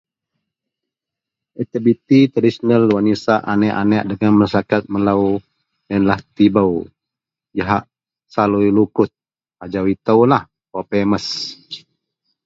Aktiviti traditional wak nisak anek-anek dagen masaraket melo iyenlah tibou jahak salui lukut ajau ito lah ko wak famous.